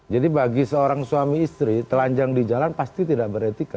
jadi bagi seorang suami istri telanjang di jalan pasti tidak beretika